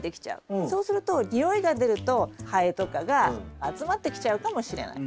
そうすると臭いが出るとハエとかが集まってきちゃうかもしれない。